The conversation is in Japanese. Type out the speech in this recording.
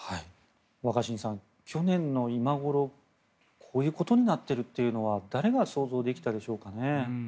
若新さん去年の今頃こういうことになっているというは誰が想像できたでしょうかね。